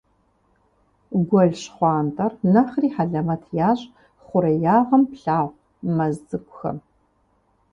Гуэл ЩхъуантӀэр нэхъри хьэлэмэт ящӀ хъуреягъым плъагъу мэз цӀыкӀухэм.